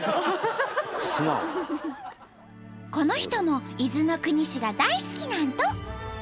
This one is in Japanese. この人も伊豆の国市が大好きなんと！